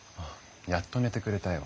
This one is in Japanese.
やっと寝てくれたよ。